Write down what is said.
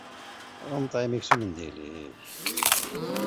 Ɣumm ṭṭɛam-ik s umendil-ik!